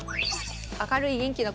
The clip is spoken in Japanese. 明るい元気な子。